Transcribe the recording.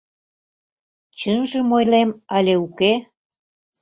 Чынжым ойлем але уке?